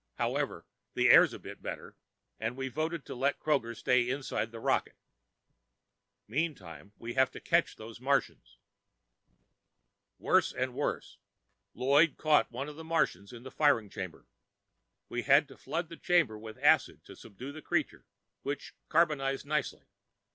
However, the air's a bit better, and we voted to let Kroger stay inside the rocket. Meantime, we have to catch those Martians. June 29, 1961 Worse and worse. Lloyd caught one of the Martians in the firing chamber. We had to flood the chamber with acid to subdue the creature, which carbonized nicely.